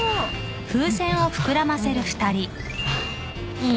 いい？